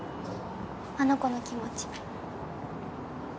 あの子の気持ち。